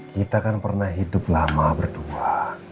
kita kan pernah hidup lama berdua